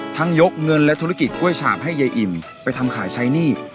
ยกเงินและธุรกิจกล้วยฉาบให้ยายอิ่มไปทำขายใช้หนี้